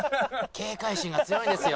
警戒心が強いんですよ。